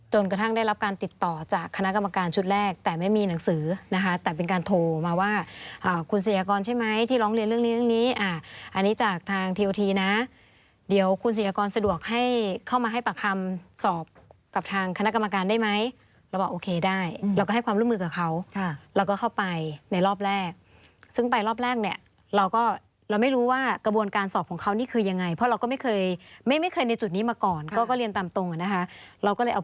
จนกระทั่งได้รับการติดต่อจากคณะกรรมการชุดแรกแต่ไม่มีหนังสือนะคะแต่เป็นการโทรมาว่าคุณศิลยากรใช่ไหมที่ร้องเรียนเรื่องนี้อันนี้จากทางทีโอทีนะเดี๋ยวคุณศิลยากรสะดวกให้เข้ามาให้ปากคำสอบกับทางคณะกรรมการได้ไหมเราบอกโอเคได้เราก็ให้ความร่วมมือกับเขาเราก็เข้าไปในรอบแรกซึ่งไปรอบแรกเนี้ยเราก็เรา